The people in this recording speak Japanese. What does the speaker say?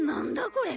これ。